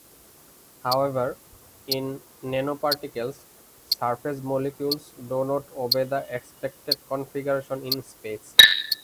However, in nanoparticles, surface molecules do not obey the expected configuration in space.